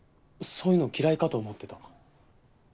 そういうの嫌いかと思ってた。